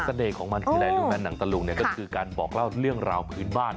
สเน่ของมันในลุงแม่นหนังตลุกก็คือการบอกเล่าเรื่องราวพื้นบ้าน